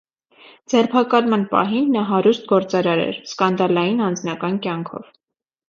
Ձերբակալման պահին նա հարուստ գործարար էր՝ սկանդալային անձնական կյանքով։